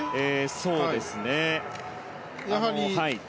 そうですね。